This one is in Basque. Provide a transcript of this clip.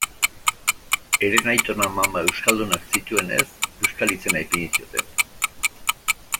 Herenaitona-amama euskaldunak zituenez, euskal izena ipini zioten.